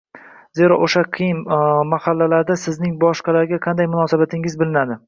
Zero, o‘sha qiyin lahzalarda sizning boshqalarga qanday munosabatdaligingiz bilinadi.